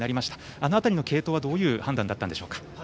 あの辺りの継投はどういう判断だったんでしょうか。